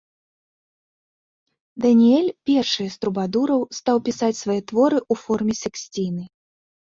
Даніэль першы з трубадураў стаў пісаць свае творы ў форме сексціны.